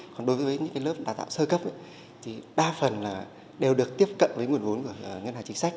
còn đối với những lớp đào tạo sơ cấp thì đa phần là đều được tiếp cận với nguồn vốn của ngân hàng chính sách